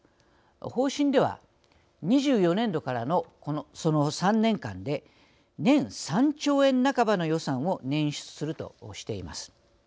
方針では２４年度からのこの３年間で年３兆円半ばの予算を捻出するとしています。